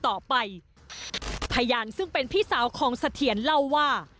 พยานซึ่งเป็นพี่สาวของเสถียรเล่าว่า